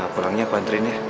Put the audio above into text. pulangnya apa antreinnya